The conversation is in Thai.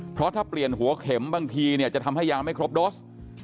เพราะถ้าเปลี่ยนหัวเข็มบางทีเนี่ยจะทำให้ยาไม่ครบโดส